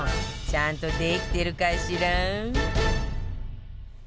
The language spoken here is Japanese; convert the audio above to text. ちゃんとできてるかしら？